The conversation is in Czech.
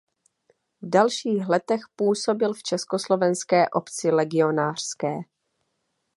V dalších letech působil v Československé obci legionářské.